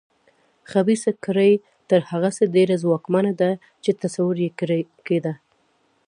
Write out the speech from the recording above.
خبیثه کړۍ تر هغه څه ډېره ځواکمنه ده چې تصور یې کېده.